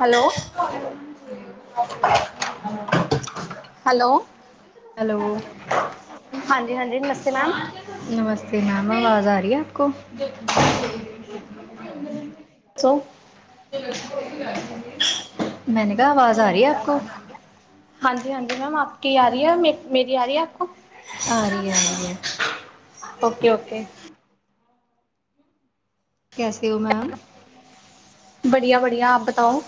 Hello. Hello. ਹਾਂਜੀ, ਹਾਂਜੀ ਨਮਸਤੇ ਮੈਮ। ਨਮਸਤੇ ਮੈਮ ਆਵਾਜ਼ ਆ ਰਹੀ ਹੈ ਆਪ ਕੋ? ਸੋ। ਮੈਂਨੇ ਕਿਹਾ ਆਵਾਜ਼ ਆ ਰਹੀ ਹੈ ਆਪ ਕੋ? ਹਾਂਜੀ, ਹਾਂਜੀ ਮੈਮ ਆਪਕੀ ਆ ਰਹੀ ਹੈ ਮੇਰੀ ਆ ਰਹੀ ਹੈ ਆਪ ਕੋ? ਆ ਰਹੀ, ਆ ਰਹੀ ਹੈ। ਓਕੇ। ਕੈਸੇ ਹੋ ਮੈਮ? ਬੜੀਆ ਬੜੀਆ ਆਪ ਬਤਾਓ?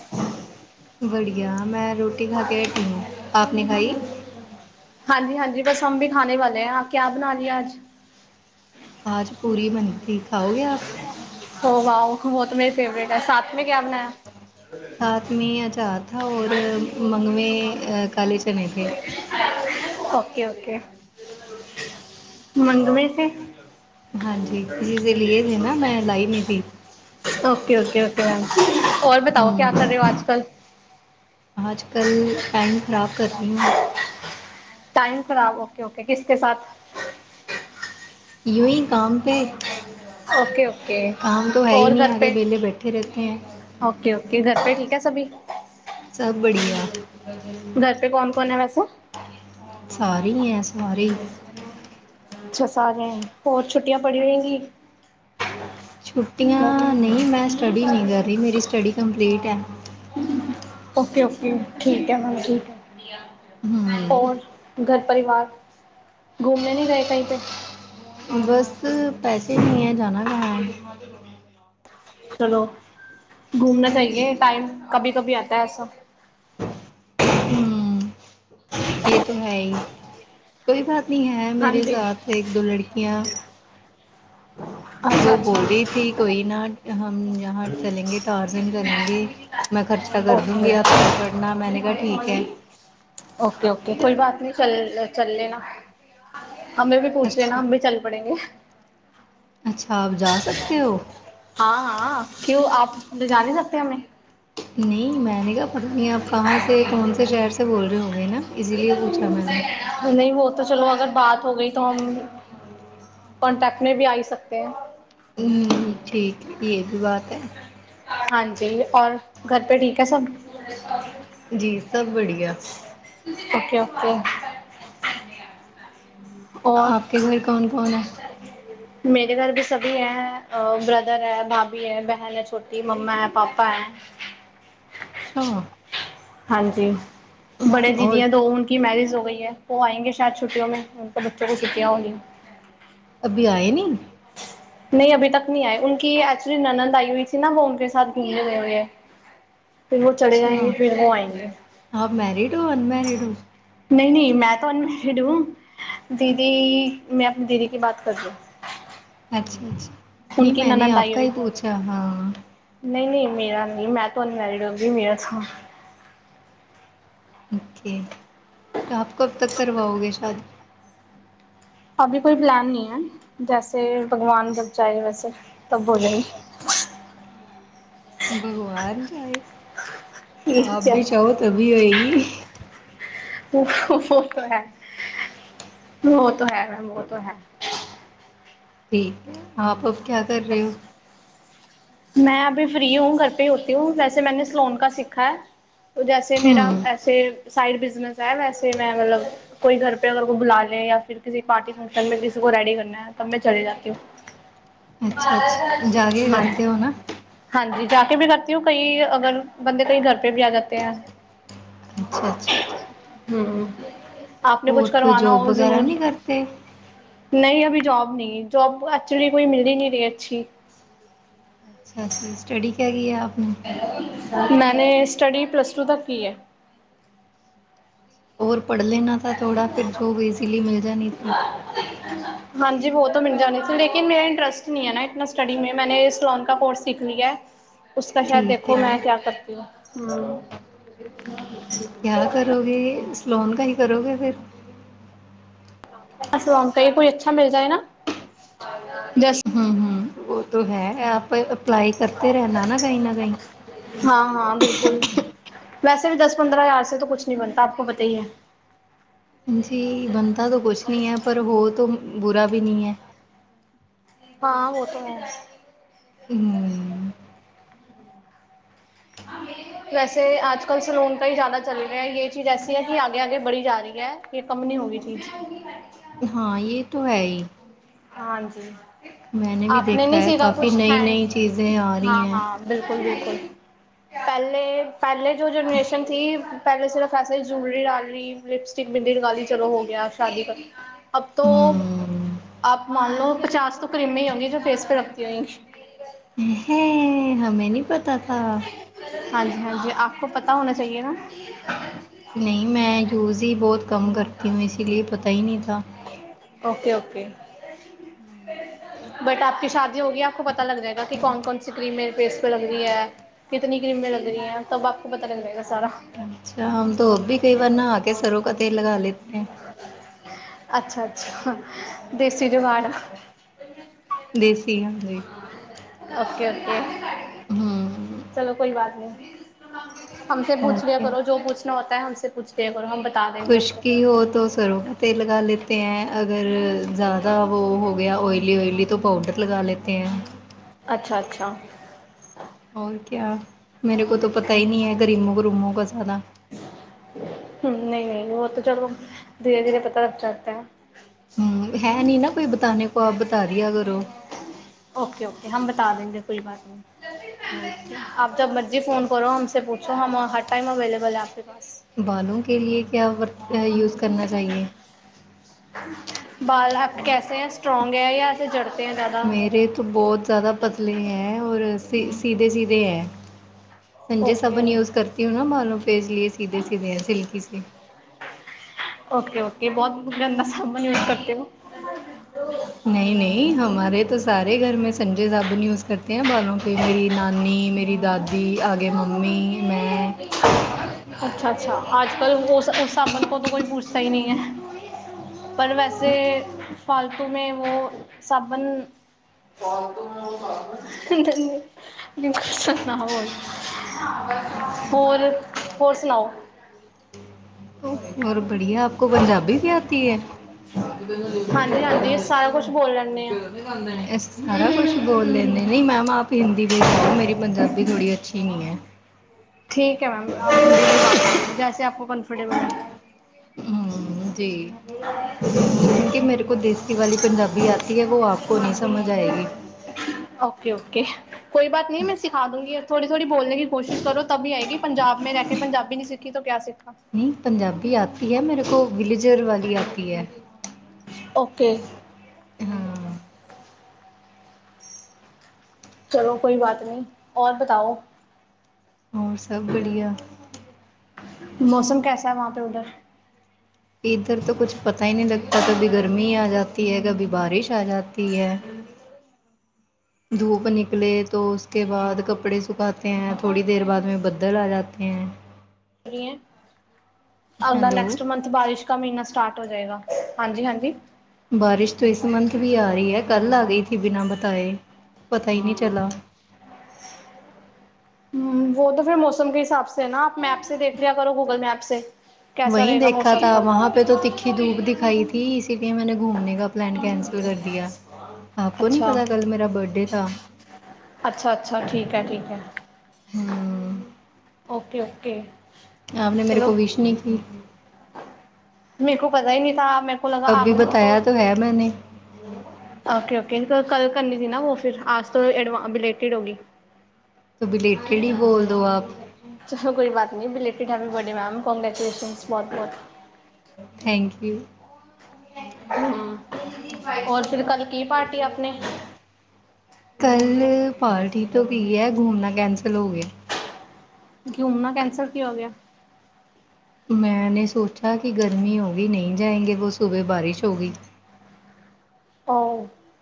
ਬੜੀਆ ਮੈਂ ਰੋਟੀ ਖਾ ਕੇ ਹਟੀ ਹੁ ਆਪ ਨੇ ਖਾਈ? ਹਾਂਜੀ ਹਾਂਜੀ ਬਸ ਹਮ ਵੀ ਖਾਣੇ ਵਾਲੇ ਆਪ ਕਿਆ ਬਣਾ ਲਿਆ ਅੱਜ? ਆਜ ਪੂਰੀ ਬਣੀ ਥੀ ਖਾਓਗੇ ਆਪ? ਹੋ ਵਾਉ ਵੋ ਤੋ ਮੇਰੀ ਫੇਵਰੇਟ ਹੈ ਸਾਥ ਮੇ ਕਿਆ ਬਣਾਇਆ? ਸਾਥ ਮੇ ਅਚਾਰ ਥਾ ਔਰ ਮੰਗਵੇਂ ਅਹ ਕਾਲੇ ਚਨੇ ਥੇ। ਓਕੇ ਓਕੇ ਮੰਗਵੈ ਥੇ? ਹਾਂਜੀ, ਕਿਸੀ ਸੇ ਲੀਏ ਥੇ ਮੈਂ ਲਾਈ ਨੀ ਸੀ। ਓਕੇ-ਓਕੇ-ਓਕੇ ਮੈਮ ਔਰ ਬਤਾਓ ਕਿਆ ਕਰ ਰਹੇ ਹੋ ਅੱਜ ਕੱਲ। ਆਜ ਕੱਲ੍ਹ ਟਾਈਮ ਖ਼ਰਾਬ ਕਰ ਰਹੀ ਹੂ। ਟਾਈਮ ਖਰਾਬ ਓਕੇ-ਓਕੇ ਕਿਸ ਕੇ ਸਾਥ? ਯਹੀ [unintelligible] ਕਾਮ ਪੇ। ਕਮ ਤਾਂ ਹੈ ਹੀ ਨਹੀਂ ਆਗੇ ਵਿਹਲੇ ਬੈਠੇ ਰਹਤੇ ਹੈ। ਓਕੇ-ਓਕੇ ਘਰ ਪੇ ਠੀਕ ਹੈ ਸਭੀ। ਸਭ ਬੜੀਆ। ਸਾਰੇ ਹੈ ਸਾਰੇ। ਅੱਛਾ ਸਾਰਿਆਂ ਹੋਰ ਛੁੱਟੀਆਂ ਪੜੀ ਹੋਗੀ। ਛੁੱਟੀਆਂ ਨਹੀਂ ਮੈਂ ਸਟੱਡੀ ਨਹੀਂ ਕਰ ਰਹੀ ਮੇਰੀ ਸਟੱਡੀ ਕੰਪਲੀਟ ਹੈ। ਓਕੇ ਓਕੇ ਠੀਕ ਹੈ ਮੈਮ ਜੀ। ਹੋਰ ਘਰ ਪਰਿਵਾਰ ਘੂੰਮਣੇ ਨਹੀਂ ਗਏ ਕਹੀ ਪੇ। ਬਸ ਪੈਸੇ ਨਹੀਂ ਹੈ ਜਾਣਾ ਕਹਾਂ? ਚਲੋ ਘੁੰਮਣਾ ਚਾਹੀਏ ਟਾਈਮ ਕਭੀ ਕਭੀ ਆਤਾ ਹੈ ਐਸਾ। ਹਮ ਇਹ ਤੇ ਹੈ ਹੀ। ਕੋਈ ਬਾਤ ਨੀ ਹੈ ਮੇਰੇ ਸਾਥ ਇੱਕ ਦੋ ਲੜਕੀਆਂ ਉਹ ਬੋਲ ਰਹੀ ਥੀ ਕੋਈ ਨਾ ਹਮ ਯਹਾਂ ਚਲੇਂਗੇ ਟਾਰਜ਼ਨ ਬਣੇਗੇ। ਮੈਂ ਖਰਚਾ ਕਰ ਦੂੰਗੀ ਆਪ ਚਲ ਪੜ੍ਹਨਾ ਮੈਂਨੇ ਕਹਾ ਠੀਕ ਹੈ। ਓਕੇ ਓਕੇ ਕੋਈ ਬਾਤ ਨੀ ਚੱਲ ਚੱਲ ਲੇਨਾ। ਹਮੇ ਵੀ ਪੁੂਛ ਲੇਨਾ ਹਮ ਵੀ ਚੱਲ ਪੜੇਗੇ। ਅੱਛਾ ਆਪ ਜਾ ਸਕਦੇ ਹੋ? ਹਾਂ ਹਾਂ ਕਿਉਂ ਆਪ ਲਿਜਾ ਨਹੀਂ ਸਕਦੇ ਹਮੇ। ਨਹੀਂ ਮੈਂ ਨਹੀਂ। ਪਤਾ ਨਹੀਂ ਆਪ ਕਹਾਂ ਸੇ ਕੌਣ ਸੇ ਸ਼ਹਿਰੇ ਸੇ ਬੋਲ ਰਹੇ ਹੋਗੇ ਨਾ ਇਸੀ ਲਈਏ ਪੁੂੱਛਾ ਮੈਂਨੇ। ਨਹੀਂ ਬਹੁ [unintelligible] ਤੋ ਚਲੋ ਅਗਰ ਬਾਤ ਹੋ ਗਈ ਤਾਂ ਹਮ ਕੋਂਟੈਕਟ ਮੈਂ ਵੀ ਆ ਹੀ ਸਕਦੇ। ਹਮ ਠੀਕ ਇਹ ਵੀ ਬਾਤ ਹੈ। ਹਾਂਜੀ ਔਰ ਘਰ ਪੇ ਠੀਕ ਹੈ ਸਭ। ਜੀ ਸਬ ਬੜੀਆ। Okay okay. ਆਪ ਕੇ ਘਰ ਕੌਣ ਕੌਣ ਹੈ? ਮੇਰੇ ਘਰ ਵੀ ਸਭੀ ਹੈ, ਬ੍ਰਦਰ ਹੈ, ਭਾਭੀ ਹੈ, ਬਹਿਨ ਹੈ ਛੋਟੀ, ਮੰਮਾ ਹੈ, ਪਾਪਾ ਹੈ। ਅੱਛਾ। ਹਾਂਜੀ, ਬੜੇ ਦੀਦੀ ਹੈ ਦੋ। ਕੀ ਮੈਰਿਜ ਹੋ ਗਈ ਹੈ। ਵੋ ਆਂਏਂਗੇੇ ਸ਼ਾਇਦ ਛੁੱਟਟਿਯੋਂ ਮੇਂ ੳਨ ਕੇ ਬੱਚੋਂ ਕੋ ਛੱਟੀਆਂ ਹੋ ਗਈ ਅਭੀ ਆਏ ਨਹੀਂ। ਨਹੀਂ ਅਭੀ ਤੱਕ ਨਹੀਂ ਆਏ ਉਨਕੀ ਐਕਚੁਲੀ ਨਨਦ ਆਈ ਹੋਈ ਥੀ ਨਾ, ਵੋ ਉਨਕੇ ਸਾਥ ਘੂਮਨੇ ਗਏ ਹੋਏ ਹੈ। ਫਿਰ ਵੋ ਚਲੇ ਜਾਏਗੇ, ਫਿਰ ਵੋ ਆਏਂਗੇੇ। ਨਹੀਂ, ਨਹੀਂ ਮੈਂ ਤੋ ਅਨਮੈਰਿਡ ਹੂੰ ਦੀਦੀ ਮੈਂ ਆਪਣੀ ਦੀਦੀ ਕੀ ਬਾਤ ਕਰ ਰਹੀ ਹੂੰ। ਅੱਛਾ, ਅੱਛਾ ਨਹੀਂ ਮੈਂਨੇ ਆਪ ਕਾ ਹੀ ਪੂੱਛਾ ਹਾਂ। ਨਹੀਂ, ਨਹੀਂ ਮੇਰਾ ਨਹੀਂ ਮੈਂ ਤੋ ਅਨਮੈਰਿਡ ਹੋਗੀ ਮੇਰਾ ਤੋ ਓਕੇ, ਤੋ ਆਪ ਕਬ ਤੱਕ ਕਰਵਾਓਗੇ ਸ਼ਾਦ ਅਭੀ ਕੋਈ ਪਲਾਨ ਨਹੀਂ ਹੈ ਜੈਸੇ ਭਗਵਾਨ ਜਬ ਚਾਹੇ ਵੈਸੇ ਤਬ ਹੋ ਜਾਏਗੀ ਭਗਵਾਨ ਚਾਏ ਆਪ ਵੀ ਚਾਉ ਤਭੀ ਹੋਏਗੀ। ਉਹ ਹੈ ਉਹ ਹੈ ਮੈਮ ਉਹ ਹੈ। ਠੀਕ ਹੈ ਆਪ ਅਬ ਕਿਆ ਕਰ ਰਹੇ ਹੋ? ਮੈਂ ਅਭੀ ਫ੍ਰਰੀ ਹੂੰ ਘਰ ਪੇ ਹੋਤੀ ਹੂੰ ਵੈਸੇ ਮੈਂਨੇ ਸਲੋਨ ਕਾ ਸਿੱਖਾ ਹੈ ਜੈਸੇ ਮੇਰਾ। ਸਾਈਡ ਬਿਜ਼ਨਸ ਹੈ ਵੈਸੇ ਮੈਂ ਮਤਲੱਬ। ਕੋਈ ਘਰ ਪੇ ਅਗਰ ਕੋਈ ਬੁਲਾ ਲੇ ਜਾਂ ਫਿਰ ਕਿਸੇ ਪਾਰਟੀ ਫੰਕਸ਼ਨ ਮੈਂ ਕਿਸੇ ਕੋ ਰੈਡੀ ਕਰਨਾ। ਚਲੀ ਜਾਤੀ ਹੋ। ਹਾਂਜੀ ਜਾ ਕੇ ਵੀ ਕਰਤੀ ਹੋ ਕਈ ਅਗਰ ਬੰਦੇ ਕਈ ਘਰ ਪੇ ਵੀ ਆ ਜਾਂਦੇ ਹੈ। ਅੱਛਾ ਅੱਛਾ। ਹਮ ਆਪ ਨੇ ਕੁਛ ਕਰਵਾਨਾ ਹੋ ਜ਼ਰੂਰ ਨਹੀਂ ਅਭੀ ਜੋਬ ਨਹੀਂ ਜੋਬ ਐਕਚੁਲੀ ਕੋਈ ਮਿਲਦੀ ਨਹੀਂ ਰਹੀ ਅੱਛੀ ਅੱਛਾ ਜੀ ਸਟੱਡੀ ਕਿਆ ਕੀ ਹੈ ਆਪ ਨੇ। ਮੈਂਨੇ, ਸਟੱਡੀ ਪਲੱਸ ਟੂ ਤੱਕ ਕੀ ਹੈ। ਔਰ ਪੜ੍ਹ ਲੈਣਾ ਥਾ ਥੋੜਾ, ਫਿਰ ਜੋਬ ਈਜ਼ਲੀ ਮਿਲ ਜਾਨੀ ਥੀ। ਹਾਂ [inaudible] ਹਾਂਜੀ ਵੋ ਤੋ ਮਿਲ ਜਾਣੀ ਥੀ, ਲੇਕਿਨ ਮੇਰਾ ਇੰਟਰਸਟ ਨਹੀਂ ਹੈ ਨਾ ਇਤਨਾ ਸਟੱਡੀ ਮੇਂ, ਮੈਂਨੇ ਸਲੋਨ ਕ ਕੋਰਸ ਸਿਖ ਲਿਆ ਹੈ। ਉਸਕਾ ਸ਼ਾਇਦ ਦੇਖੋ ਮੈਂ ਕਿਆ ਕਰਤੀ ਹੂੰ, ਹੂੰ। ਵੀ [unintelligible] ਸਲੋਨ ਕਾ ਹੀ ਕਰੋਗੇ ਫਿਰ ਸਲੋਨ ਕਾ ਹੀ ਕੋਈ ਅੱਛਾ ਮਿਲ ਜਾਏ ਨਾ, ਜੈਸ ਹਮ, ਹਮ ਵੋ ਤੋ ਹੈ ਆਪ ਅਪਲਾਈ ਕਰਤੇ ਰਹਿਣਾ ਨਾ ਕਹੀ ਨਾ ਕਹੀ। ਹਾਂ, ਹਾਂ ਬਿਲਕੁਲ ਵੈਸੇ ਵੀ ਦਸ ਪੰਦਰਾਂ ਹਜ਼ਾਰ ਸੇ ਕੁੱਛ ਨਹੀਂ ਬਣਤਾ ਆਪਕੋ ਪਤਾ ਹੀ ਹੈ। ਹਾਂਜੀ, ਬਣਤਾ ਤੋ ਕੁਛ ਨਹੀਂ ਹੈ ਪਰ ਹੋ ਤੋ ਬੁਰਾ ਭੀ ਨਹੀਂ ਹੈ। ਹਾਂ ਵੋ ਤੋ ਹੈ। ਹਮ। ਹਾਂ [inaudible] ਵੈਸੇ ਆੱਜ ਕੱਲ ਸੈਲੂਨ ਤਾਂ ਹੀ ਜ਼ਿਆਦਾ ਚੱਲ ਰਹੀ ਹੈ। ਯੇ ਚੀਜ਼ ਐਸੀ ਹੈ ਕਿ ਆਗੇ ਆਗੇ ਬੜੀ ਜਾ ਰਹੀ ਹੈ। ਯੇ ਕੰਮ ਨੀ ਹੋਗੀ ਚੀਜ਼। ਹਾਂ ਯੇ ਤੋ ਹੈ ਹੀ। ਹਾਂਜੀ, ਆਪਣੇ ਨੀ ਸੀਖਾ ਕੁਛ ਹੈਡ ਹਾਂ, ਹਾਂ। ਬਿਲਕੁਲ, ਬਿਲਕੁਲ। ਪਹਿਲੇ ਪਹਿਲੇ, ਜੋ ਜਨਰੇਸ਼ਨ ਥੀ ਪਹਿਲੇ ਸਿਰਫ ਐਸੇ ਜੂਲਰੀ ਡਾਲ ਲੀ। ਲਿਪਸਟਿਕ, ਬਿੰਦੀ ਲਗਾਲੀ ਚਲੋ ਹੋ ਗਿਆ ਸ਼ਾਦੀ, ਅਬ ਤੋਂ ਮੰਨ ਲਓ ਪਚਾਸ ਤੋਂ ਕਰੀਮੇ ਹੀ ਹੋਂਗੀ ਜੋ ਫੇਸ ਪੇ ਲਗਤੀ ਹੋਂਏ ਹੈ, ਹੈ ਹਮੇ ਨਹੀਂ ਪਤਾ ਥਾ। ਹਾਂਜੀ ਹਾਂਜੀ, ਆਪਕੋ ਪਤਾ ਹੋਣਾ ਚਾਹੀਏ ਨਾ। ਨਹੀਂ ਮੈਂ ਯੂਜ ਹੀ ਬਹੁਤ ਕਮ ਕਰਤੀ ਹੂੰ, ਇਸ ਲਈ ਪਤਾ ਹੀ ਨਹੀਂ ਥਾ। Okay- okay. ਬਟ ਆਪ ਕੀ ਸ਼ਾਦੀ ਹੋਗੀ ਆਪ ਕੋ ਪਤਾ ਲਗ ਜਾਏਗਾ, ਕਿ ਕੌਣ- ਕੌਣ ਸੀ ਕ੍ਰੀਮੇ ਮੇਰੇ ਫੇਸ [unintelligible] ਕਿਤਨੀ ਕਰੀਮਮੇ ਲੱਗਣੀ ਹੈ। ਸਭ ਪਤਾ ਲੱਗ ਜਾਏਗਾ ਆਪਕੋ। ਅੱਛਾ ਹਮ ਤੋਂ ਅਬ ਬੀ ਕਈ ਵਾਰ ਨਹਾ ਆ ਕੇ, ਸਰੋਂ ਕਾ ਤੇਲ ਲਗਾ ਲੇਤੇ ਹੈ। ਅੱਛਾ ਅੱਛਾ, ਦੇਸੀ ਜੂਗਾੜ। ਦੇਸੀ ਹਾਂਜੀ। Okay- okay. ਚਲੋ ਕੋਈ ਬਾਤ ਨਹੀਂ, ਹਮਸੇ ਪੁੂਛ ਲਿਆ ਕਰੋ ਜੋ ਪੁੂਛ ਨਾ ਹੋਤਾ ਹੈ ਹਮਸੇ ਪੂਛ ਲਿਆ ਕਰੋ, ਹਮ ਬਤਾ ਖੁਸ਼ਕੀ ਹੋ ਤੋਂ ਸਰੋਂ ਕੋ ਤੇਲ ਲਗਾ ਲਤੇ ਹੈ। ਅਗਰ ਜ਼ਿਆਦਾ ਉਹ ਹੋ ਗਿਆ ਓਇਲੀ-ਓਇਲੀ ਤਾਂ ਪਾਊਡਰ ਲਗਾ ਲੈਤੇ ਐ। ਅੱਛਾ-ਅੱਛਾ ਹੋਰ ਕਿਆ, ਮੇਰੇ ਕੋ ਤੋ ਪਤਾ ਹੀ ਨਹੀਂ ਹੈ ਕਰੀਮੋ ਕਰੂਮੋ ਕ ਜ਼ਿਆਦਾ। ਹਮ ਨਹੀਂ, ਨਹੀਂ ਵੋ ਤੋ ਚਲੋ ਧੀਰੇ, ਧੀਰੇ ਪਤਾ ਲਗ ਜਾਤਾ ਹੈ। ਹਮ ਹੈ ਨੀ ਨਾ ਕੋਈ ਬਤਾਾਨੇ ਕੋ, ਆਪ ਬਤਾ ਦਆ ਕਰੋ। ਓਕੇ, ਓਕੇ ਹਮ ਬਤਾ ਦੇਂਗੇ ਕੋਈ ਬਾਤ ਨਹੀਂ। ਆਪ ਜਬ ਮਰਜ਼ੀ ਫੋਨ ਕਰੋ ਹਸ ਸੇ ਪੁੂਛੋ, ਹਮ ਹਰ ਟਾਈਮ ਅਵੇਲੇਬਲ ਹੈ ਆਪ ਕੇ ਪਾਸ। ਬਾਲੋਂ ਕੇ ਲਏ ਕਿਆ ਵਰਤ ਯੂਜ਼ ਕਰਨਾ ਚਾਹੀਏ। ਬਾਲ ਆਪਕੇ ਕੈਸੇ ਹੈ ਸਟਰ੍ਰੋਂਗ ਹੈ ਜਾਂ ਜੜਦੇ ਹੈ ਜਿਆਦਾ। ਮੇਰੇ ਤੋਂ ਬਹੁਤ ਜ਼ਿਆਦਾ ਪ ਪਤਲੇ ਹੈ ਔਰ ਸੀਧੇ ਸੀਧੇ ਹੈ, ਸੰਜੇ ਸਾਬਨ ਯੂਜ ਕਰ ਤੀ ਹੂ ਨਾ ਬਾਲੋਂ ਪੇ ਇਸ ਲਈਏ ਸਿਧੇ, ਸਿਧੇ ਸਿਲਕੀ ਸੀ। ਓਕੇ, ਓਕੇ ਬਹੁਤ ਬੁ ਗੰਦਾ ਸਾਬਨ ਯੂਜ਼ ਕਰਦੇ ਹੋ। ਨਹੀਂ, ਨਹੀਂ ਹਮਾਰੇ ਤੋ ਸਾਰੇ ਘਰ ਮੈਂ ਸੰਜੇ ਸਾਾਬੁਨ ਯੂਜ ਕਰਤੇ ਹੈ ਬਾਲੋਂ ਪ ਮੇਰੀ ਨਾਨੀ ਮੇਰੀ ਦਾਦੀ ਆਗੇ ਮੰਮੀ ਅੱਛਾ, ਅੱਛਾ, ਆਜ ਕੱਲ ਉਸ ਸਾਬਣ ਕੋ ਤੋ ਕੋਈ ਪੁੱਛਦਾ ਹੀ ਨਹੀਂ ਹੈ। ਪਰ ਵੈਸੇ ਫਾਲਤੂ ਮੇਂ, ਵੋ ਸਾਾਬਣ [unintelligible] ਮ ਕੁਛ ਸੁਣਾ ਹੋਣ, ਹੋਰ ਹੋਰ ਸੁਣਾਓ। ਔਰ ਬੜੀਆਂ ਆਪਕੋ ਪੰਜਾਬੀ ਬੀ ਆਤੀ ਹੈ। ਹਾਂਜੀ ਹਾਂਜੀ ਸਾਰਾ ਕੁਛ ਬੋਲ ਲੈਂਦੇ ਹਾਂ ਐਸ ਤਰਹ ਕੁਛ ਬੋਲ ਲੈਂਦੇ ਨ, ਮੈਮ ਆਪ ਹਿੰਦੀ ਪੇ ਜਾਓ ਮੇਰੀ ਪੰਜਾਬੀ ਥੋੜੀ ਅੱਛੀ ਨੀ ਹੈ। ਠੀਕ ਹੈ ਮੈਮ ਆਪ ਹਿੰਦੀ ਮੇ ਹੀ ਬਾਤ ਕਰ ਲਓ, ਜੈਸੇ ਆਪਾਂ ਕੋ ਕੰਮਫਰਟੇਬਲ ਲਗੇ। ਹੂ ਜੀ ਕਿ ਮੇਰੇ ਕੋ ਦੇਸੀ ਵਾਲੀ ਪੰਜਾਬੀ ਆਤੀ ਹੈ, ਉਹ ਆਪ ਕੋ ਨਹੀਂ ਸਮਝ ਆਏਗੀ। ਓਕੇ -ਓਕੇ ਕੋਈ ਬਾਤ ਨਹੀਂ ਮੈਂ ਸਿਖਾ ਦੂੰਗੀ। ਥੋੜ੍ਹੀ ਥੋੜ੍ਹੀ ਬੋਲਨੇ ਕੀ ਕੋਸ਼ਿਸ਼ ਕਰੋ ਤਭ ਹੀ ਆਏਗੀ, ਪੰਜਾਬ ਮੈਂ ਰਹਿ ਕੇ ਪੰਜਾਬੀ ਨਹੀਂ ਸਿੱਖੀ ਤੋਂ ਕਿਆ ਸਿੱਖਾਂ। ਨਹੀਂ ਪੰਜਾਬੀ ਆਤੀ ਹੈ ਮੇਰੇ ਕੋ, ਵਿਲੇਜਰ ਵਾਲੀ ਆਤੀ ਹੈ। ਓਕੇ ਚਲੋ ਕੋਈ ਬਾਤ ਨਹੀਂ ਔਰ ਬਤਾਓ [unintelligible] ਹੋਰ ਸਭ ਬੜੀਆ? ਮੌਸਮ ਕੈਸਾ ਐ ਵਾਂ ਪੇ ਉਧਰ ਇਧਰ ਤੋ ਕੁੱਛ ਪਤਾ ਈ ਨੀ ਲਗਤਾ, ਕਭੀ ਗਰਮੀ ਆ ਜਾਤੀ ਐ, ਕਭੀ ਬਾਰਿਸ਼ ਆ ਜਾਤੀ ਐ ਹੂੰ। [inaudible] ਧੂਪ ਨਿਕਲੇ ਤੋਂ ਉਸ ਕੇ ਬਾਅਦ ਕੱਪੜੇ ਸੁਖਾਤੇ ਹੈ ਥੋੜੀ ਦੇਰ ਬਾਅਦ ਮੇ ਬੱਦਲ ਆ ਜਾਤੇ ਹੈ ਆਪਗਦਾ ਨੈਕਸਟ ਮੰ ਬਾਰਿਸ਼ ਕਾ ਮਹੀਨਾ ਸਟਾਰਟ ਹੋ ਜਾਏਗਾ ਹਾਂਜੀ-ਹਾਂਜੀ ਬਾਰਿਸ਼ ਤੋਂ ਇਸ ਮੰਥ ਵੀ ਆ ਰਹੀ ਹੈ ਕੱਲ ਆ ਗਈ ਸੀ ਬਿਨਾਂ ਬਤਾਏ ਪਤਾ ਹੀ ਨਹੀਂ ਚਲਾ [inaudible] ਹੂ, ਵੋ ਤੋ ਫਿਰ ਮੌਸਮ ਕੇ ਹਿਸਾਬ ਸੇ ਨਾ, ਆਪ ਮੈਪ ਸੇ ਦੇਖ ਲੀਆ ਕਰੋ, ਗੂਗਲ ਮੈਪ ਸੇ। ਵਹੀਂ ਦੇਖਾ ਥਾ, ਵਹਾਂ ਤੋ ਤਿੱਖੀ ਧੂਪ ਦਿਖਾਈ ਥੀ, ਇਸ ਲੀਏ ਮੈਂਨੇ ਘੂਮਨੇ ਕਾ ਪਲੈਨ ਕੈਂਸਲ ਕਰ ਦੀਆ। ਆਪ ਕੋੋ ਨਹੀਂ ਪਤਾ, ਕੱਲ ਮੇਰਾ ਬਰਥਡੇ ਥਾ। ਅੱਛਾ, ਅੱਛਾ ਠੀਕ ਹੈ ਠੀਕ ਹੈ। ਓਕੇ, ਓਕੇ ਆਪ ਨੇ ਮੇਰੇ ਕੋ ਵਿਸ਼ ਨਹੀਂ ਕੀ। ਮੇਰੇ ਕੋ ਪਤਾ ਹੀ ਨਹੀਂ ਥਾ, ਮੇਰੇ ਕੋ ਲੱਗਾ ਆਪ ਨੇ ਮੇਰੇ ਕੋ ਓਕੇ ਓਕੇ ਕੱਲ ਕਰਨੀ ਥੀ ਨਾ ਫਿਰ ਆਜ ਤੋਂ ਬੀਲੇਟਿਡ ਹੋ ਗਈ ਤੋ ਬੀਲੇਟਡ ਹੀ ਬੋਲ ਦੋ ਆਪ। ਚਲੋ, ਕੋਈ ਬਾਤ ਨਹੀਂ belated happy birthday ma'am, congratulation ਬਹੁਤ ਬਹੁਤ। ਥੈਂਕ ਯੂ [unintelligible] ਕੱਲ੍ਹ ਪਾਰਟੀ ਤੋਂ ਕੀ ਐ ਘੁੰਮਣਾ ਕੈਂਸਲ ਹੋ ਗਿਆ। ਘੁੰਮਨਾ ਕੈਂਸਲ ਕਿਉ ਹੋ ਗਿਆ। ਮੈਂਨੈ ਸੋਚਾ ਕਿ ਗਰਮੀ ਹੋ ਗਈ ਨ‌ਈਂ ਜਾਏਂਗੇ, ਵੋ ਸੁਬ੍ਹੇ ਬਾਰਿਸ਼ ਹੋ ਗਈ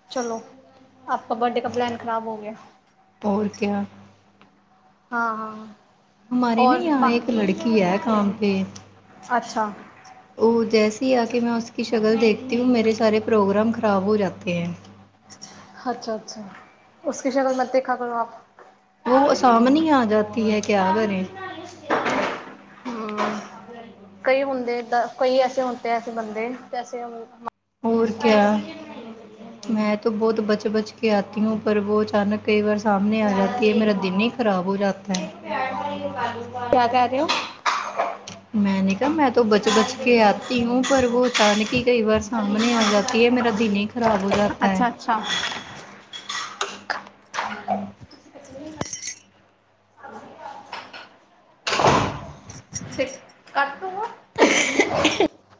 ਚਲੋ ਆਪ ਕ ਬਰਡੇ ਕਾ ਪਲੈਨ ਖਰਾਬ ਹੋ ਗਿਆ ਹੋਰ ਕਿਆ ਹਾਂ-ਹਾਂ। ਹਮਾਰੀ ਨਾ ਯ ਇੱਕ ਲੜਕੀ ਹੈ ਕਮ ਪੇ ਅੱਛਾ। ਓ ਜੈਸੀ ਆ ਕੇ ਮੈਂ ਉਸੀ ਸ਼ਕਲ ਦੇਖਤੀ ਹੂੰ ਮੇਰੇ ਸਾਰੇ ਪ੍ਰੋਗਰਾਮ ਖ਼ਰਾਬ ਹੋ ਜਾਤੇ ਹੈ ਅੱਛਾ, ਅੱਛਾ ਉਸਕੀ ਸ਼ਕਲ ਮਤ ਦੇਖਾ ਕਰੋ ਆਪ। ਵੋਹ ਸਾਹਮਣੇ ਹੀ ਆ ਜਾਤੀ ਹੈ ਕਿਆ ਕਰੇ। ਅੱਾਰੀ [inaudible] ਕਈ ਹੁੰਦੇ, ਇਦਾਂ ਕਈ ਐਸੇ ਹੁੰਦੇ ਐਸੇ ਬੰਦੇ, ਜੈਸੇ ਹੋਰ ਕਿਆ? ਹ [inaudible] ਮੈਂ ਤੋ ਬਹੁਤ ਬਚ ਬਚ ਕੇ ਆਤੀ ਹੂੰਂ, ਪਰ ਉਹ ਅਚਾਨਕ ਕਈ ਵਾਰ ਸਾਹਮਣੇ ਆ ਜਾਤੀ ਹੈ, ਮੇਰਾ ਦਿਨ ਹੀ ਖਰਾਬ, ਹੋ ਜਾਤਾ ਹੈ। ਪਿਆ ਪਾਕਿਸਤ [unintelligible] ਕਿਆ ਕਹਿ ਰਹੇ ਹੋ? ਮੈਨੇ ਕਿਹਾ, ਮੈਂ ਤੋਂ ਬਚ ਬਚ ਕੇ ਆਤੀ ਹੂੰ, ਪਰ ਉਹ ਅਚਾਨਕ। ਕਿ ਕਈ ਵਾਰ ਸਾਹਮਣੇ ਆ ਜਾਤੀ ਹੈ, ਮੇਰਾ ਦਿਨ ਹੀ ਖ਼ਰਾਬ ਹੋ ਜਾਤਾ ਹੈ। ਅੱਛਾ ਹਮ [unintelligible] ਸ ਕੱਟ [unintelligible]